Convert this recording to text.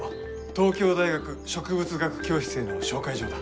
東京大学植物学教室への紹介状だ。